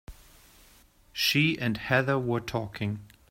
She and Heather were talking.